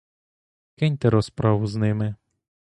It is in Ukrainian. Кинь ти розправу з ними!